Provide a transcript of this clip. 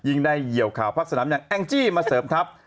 ได้เหี่ยวข่าวพักสนามอย่างแองจี้มาเสริมทัพ